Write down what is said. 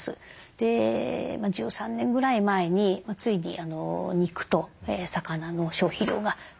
で１３年ぐらい前についに肉と魚の消費量が逆転いたしました。